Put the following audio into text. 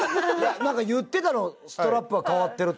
なんか言ってたのストラップが変わってるって。